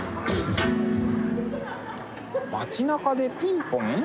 街なかでピンポン？